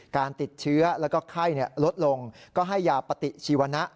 การติดเชื้อแล้วก็ไข้ลดลงก็ให้ยาปฏิชีวนะ